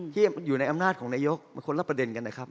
ที่อยู่ในอำนาจของนายกมันคนละประเด็นกันนะครับ